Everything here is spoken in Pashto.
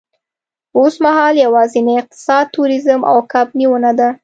اوسمهال یوازېنی اقتصاد تورېزم او کب نیونه ده.